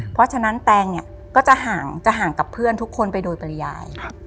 เพราะฉะนั้นแตงก็จะห่างกับเพื่อนทุกคนไปโดยปริญญา